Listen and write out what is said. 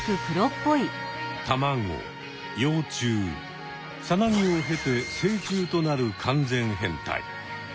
たまご幼虫さなぎを経て成虫となる完全変態。